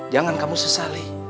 jangan kamu sesali